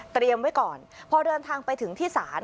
ไว้ก่อนพอเดินทางไปถึงที่ศาล